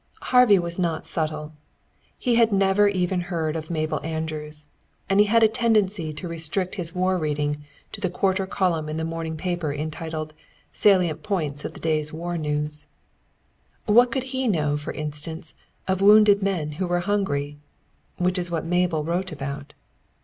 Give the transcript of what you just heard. Harvey was not subtle. He had never even heard of Mabel Andrews, and he had a tendency to restrict his war reading to the quarter column in the morning paper entitled "Salient Points of the Day's War News." What could he know, for instance, of wounded men who were hungry? Which is what Mabel wrote about.